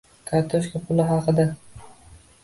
“Kartoshka puli” haqida.